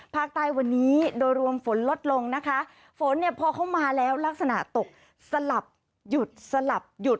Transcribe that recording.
ภาคใต้วันนี้โดยรวมฝนลดลงนะคะฝนเนี่ยพอเข้ามาแล้วลักษณะตกสลับหยุดสลับหยุด